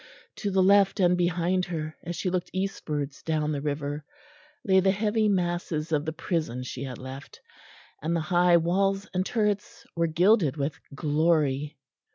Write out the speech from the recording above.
To the left and behind her, as she looked eastwards down the river, lay the heavy masses of the prison she had left, and the high walls and turrets were gilded with glory.